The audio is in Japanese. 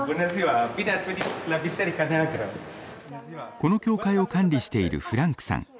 この教会を管理しているフランクさん。